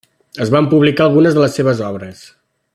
Es van publicar algunes de les seves obres.